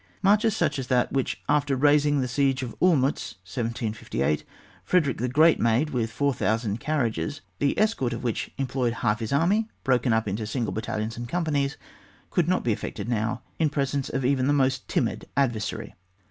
Marches such as that, which, after raising the siege of Olmiitz, 1758, Frederick the Great made with 4,000 carriages, the escort of which employed half his army broken up into single bat talions and companies, could not be effected now in presence of even the most timid adversary.